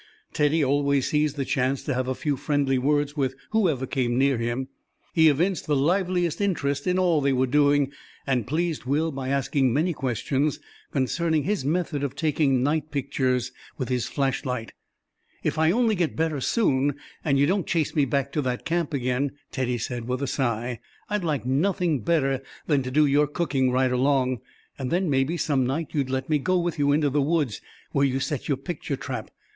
Teddy always seized the chance to have a few friendly words with whoever came near him. He evinced the liveliest interest in all they were doing, and pleased Will by asking many questions concerning his method of taking night pictures with his flashlight. "If I only get better soon, and you don't chase me back to that camp again," Teddy said, with a sigh, "I'd like nothing better than to do your cooking right along. And then maybe some night you'd let me go with you into the woods where you set your picture trap.